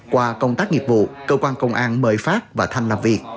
qua công tác nghiệp vụ cơ quan công an mời phát và thành làm việc